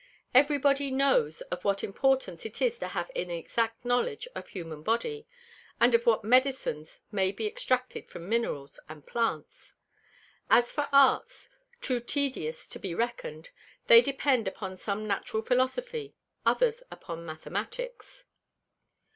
Every Body knows of what Importance it is to have an exact Knowledge of Human Body, and of what Medicines may be extracted from Minerals and Plants. As for Arts, too tedious to be reckon'd, they depend some upon Natural Philosophy, others upon Mathematicks.